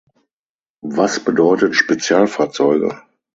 Was bedeutet "Spezialfahrzeuge"?